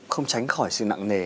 không tránh khỏi sự nặng nề